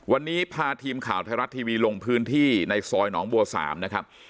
วันนี้พาทีมข่าวไทยรัฐทีวีลงพื้นที่ในซอยหนองบัว๓นะครับ